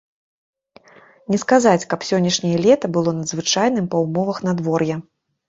Не сказаць, каб сённяшняе лета было надзвычайным па ўмовах надвор'я.